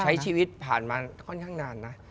ใช้ชีวิตผ่านมาค่อนข้างนานนะ